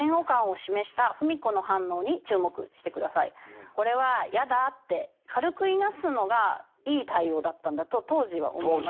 この時これは「やだぁ」って軽くいなすのがいい対応だったんだと当時は思います。